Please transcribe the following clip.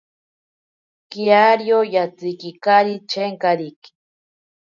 Kiario yatsikikari chenkariki.